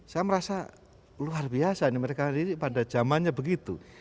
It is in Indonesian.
saya merasa luar biasa ini mereka pada zamannya begitu